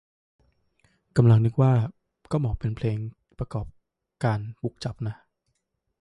กำลังนึกว่า ก็เหมาะเป็นเพลงประกอบการบุกจับนะ